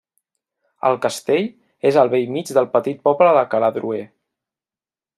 El castell és al bell mig del petit poble de Caladroer.